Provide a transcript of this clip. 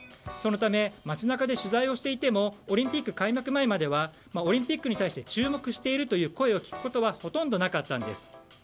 そのため街中で取材をしていてもオリンピック開幕前まではオリンピックに対して注目しているという声を聞くことはほとんどなかったんです。